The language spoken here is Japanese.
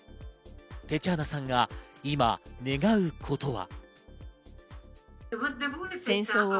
テチャーナさんが今、願うことは。